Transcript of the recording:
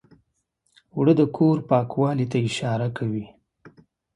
اوړه د کور پاکوالي ته اشاره کوي